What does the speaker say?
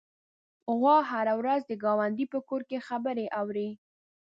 غوا هره ورځ د ګاونډي په کور کې خبرې اوري.